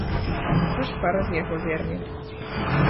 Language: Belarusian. Аж пара з яго верне.